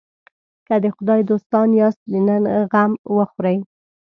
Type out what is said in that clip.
که د خدای دوستان یاست د نن غم وخورئ.